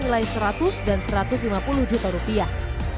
the lion terjual senilai seratus dan satu ratus lima puluh juta rupiah